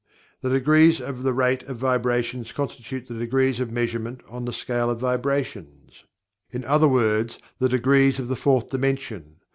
The degrees of the rate of vibrations constitute the degrees of measurement on the Scale of Vibrations in other words the degrees of the Fourth Dimension.